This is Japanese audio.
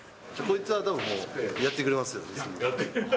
こいつはたぶん、やってくれますよ。